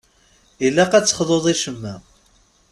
Ilaq ad texḍuḍ i ccemma.